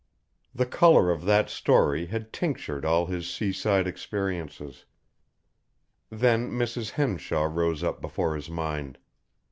The colour of that story had tinctured all his sea side experiences. Then Mrs. Henshaw rose up before his mind.